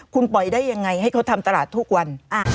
คุณปล่อยได้ยังไงให้เขาทำตลาดทุกวัน